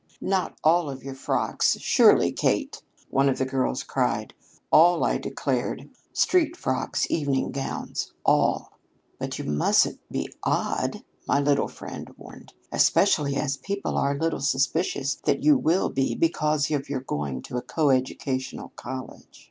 "'Not all of your frocks, surely, Kate,' one of the girls cried. 'All,' I declared; 'street frocks, evening gowns, all.' 'But you mustn't be odd,' my little friend warned. 'Especially as people are a little suspicious that you will be because of your going to a co educational college.'